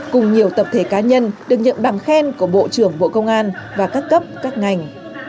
cùng nhiều tập thể cá nhân được nhận bằng khen của bộ trưởng bộ công an và các cấp các ngành